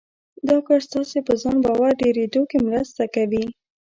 دا کار ستاسې په ځان باور ډېرېدو کې مرسته کوي.